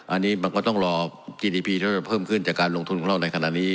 อันนี้มันก็ต้องรอจีดีพีที่จะเพิ่มขึ้นจากการลงทุนของเราในขณะนี้